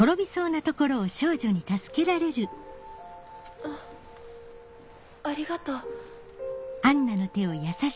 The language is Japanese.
あありがとう。